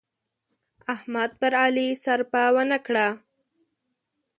احمد پر علي سرپه و نه کړه.